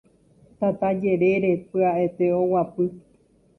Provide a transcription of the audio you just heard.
tata jerére pya'ete oguapy